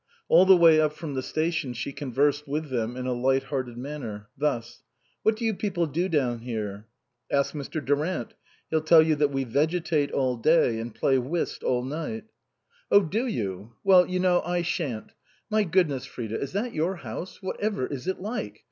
All the way up from the station she con versed with them in a light hearted manner. Thus :" What do you people do down here ?"" Ask Mr. Durant ; he'll tell you that we vege tate all day and play whist all night." 98 INLAND " Oh, do you ? Well, you know, I shan't. My goodness, Frida ! is that your house ? What ever is it like